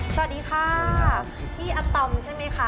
สวัสดีค่ะพี่อัตอมใช่ไหมคะ